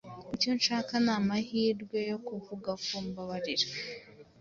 Icyo nshaka ni amahirwe yo kuvuga ko mbabarira.